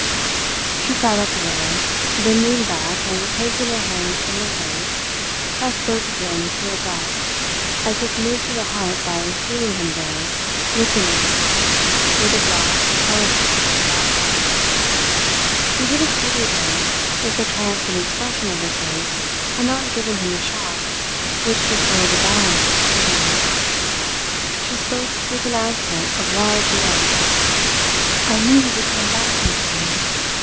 She sat up a little, then leaned back, and taking her hands from her face, pressed both of them to her breast as if moved to the heart by seeing him there looking at her with a black, horror struck curiosity. He would have pitied her, if the triumphant expression of her face had not given him a shock which destroyed the balance of his feelings. She spoke with an accent of wild joy: "I knew you would come back in time!